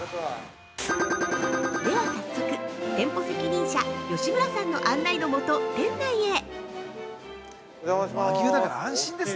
では早速、店舗責任者吉村さんの案内のもと店内へ。